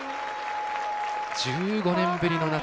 １５年ぶりの夏